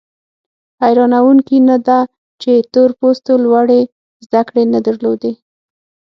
حیرانوونکي نه ده چې تور پوستو لوړې زده کړې نه درلودې.